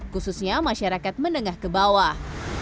khususnya masyarakat menengah ke bawah